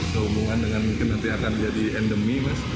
sehubungan dengan mungkin nanti akan jadi endemi mas